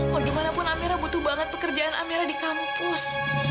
bagaimanapun amira butuh banget pekerjaan amira di kampus